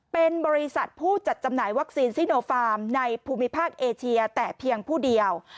เป็นบริษัทผู้จัดจำหน่ายวัคซีนซิโนฟาร์มในภูมิภาคเอเชียแต่เพียงผู้เดียว